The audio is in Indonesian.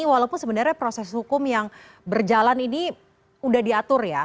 walaupun sebenarnya proses hukum yang berjalan ini sudah diatur ya